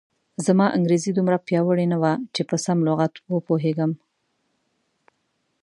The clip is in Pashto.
زما انګریزي دومره پیاوړې نه وه چې په سم لغت و پوهېږم.